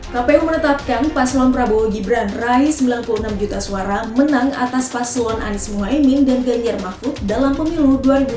kpu menetapkan paslon prabowo gibran raih sembilan puluh enam juta suara menang atas paslon anies mohaimin dan ganjar mahfud dalam pemilu dua ribu dua puluh